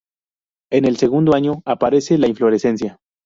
En el segundo año aparece la inflorescencia.